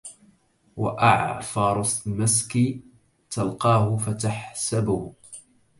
وأعفر المسك تلقاه فتحسبه